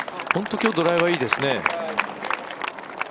今日、ドライバーいいですね。